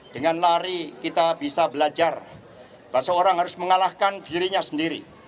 dengan lari kita bisa belajar seseorang harus mengalahkan dirinya sendiri